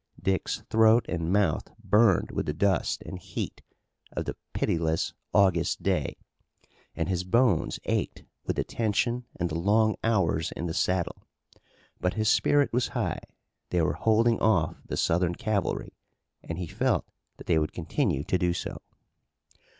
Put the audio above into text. Dick's throat and mouth burned with the dust and heat of the pitiless August day, and his bones ached with the tension and the long hours in the saddle. But his spirit was high. They were holding off the Southern cavalry and he felt that they would continue to do so.